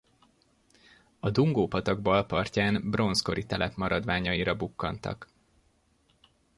A Dungó-patak bal partján bronzkori telep maradványaira bukkantak.